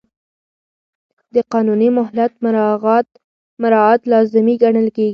د قانوني مهلت مراعات لازمي ګڼل کېږي.